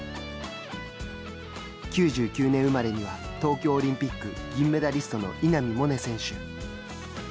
９９年生まれには東京オリンピック銀メダリストの稲見萌寧選手。